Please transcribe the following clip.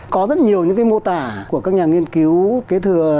có rất nhiều những cái mô tả của các nhà nghiên cứu